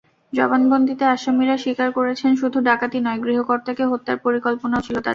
জবানবন্দিতে আসামিরা স্বীকার করেছেন, শুধু ডাকাতি নয়, গৃহকর্তাকে হত্যার পরিকল্পনাও ছিল তাঁদের।